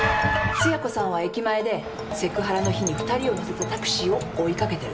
つや子さんは駅前でセクハラの日に二人を乗せたタクシーを追いかけてる。